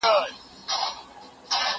زه به سبا ليکلي پاڼي ترتيب کوم،